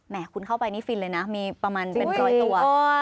คุณเข้าไปนี่ฟินเลยนะมีประมาณเป็นร้อยตัว